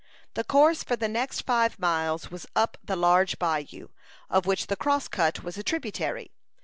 The course for the next five miles was up the large bayou, of which the Crosscut was a tributary.